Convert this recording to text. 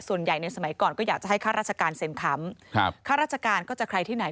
ส่วนใหญ่ในสมัยก่อนก็อยากจะให้ค่าราชการเซ็นค้ำครับข้าราชการก็จะใครที่ไหน